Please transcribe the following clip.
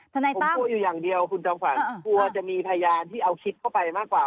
ผมกลัวอยู่อย่างเดียวคุณจอมขวัญกลัวจะมีพยานที่เอาคลิปเข้าไปมากกว่า